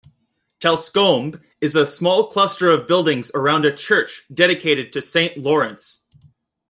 Telscombe is a small cluster of buildings around a church dedicated to Saint Laurence.